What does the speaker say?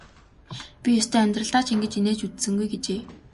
Би ёстой амьдралдаа ч ингэж инээж үзсэнгүй гэжээ.